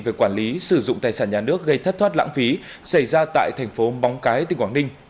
về quản lý sử dụng tài sản nhà nước gây thất thoát lãng phí xảy ra tại thành phố móng cái tỉnh quảng ninh